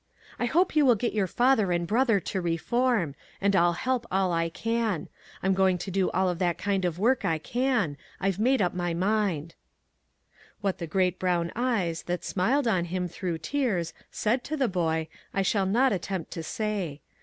I hope you will get your father and brother to reform ; and I'll help all I can. I'm going to do all of that kind of work I can ; I've made up my mind." FRUIT FROM THE PICNIC. 1 73 What the great brown eyes, that smiled on him through tears, said to the boy, I shall not attempt to say.